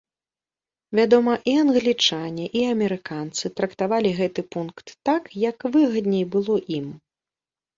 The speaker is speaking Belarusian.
Вядома, і англічане і амерыканцы трактавалі гэты пункт так, як выгадней было ім.